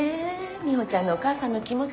ミホちゃんのお母さんの気持ち。